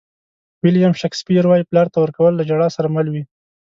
ویلیام شکسپیر وایي پلار ته ورکول له ژړا سره مل وي.